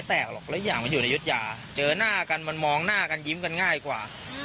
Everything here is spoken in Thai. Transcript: แต่คือผมเห็นว่าผมอยากให้มันดีกันมากกว่า